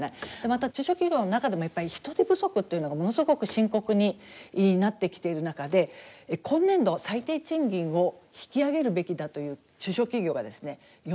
また中小企業の中でもやっぱり人手不足というのがものすごく深刻になってきている中で今年度最低賃金を引き上げるべきだという中小企業がですね